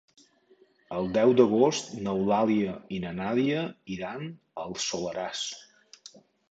El deu d'agost n'Eulàlia i na Nàdia iran al Soleràs.